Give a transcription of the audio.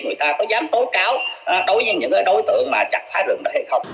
người ta có dám tố cáo đối với những đối tượng mà chặt phá rừng đó hay không